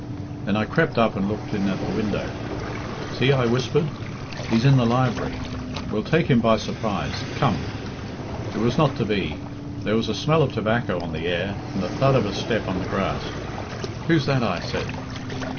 Then I crept up and looked in at the window. 'See,' I whispered, 'he's in the library. We'll take him by surprise. Come!' It was not to be. There was a smell of tobacco on the air and the thud of a step on the grass. 'Who's that?' I said.